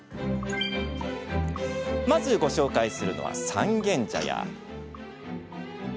まず、ご紹介するのは三軒茶屋。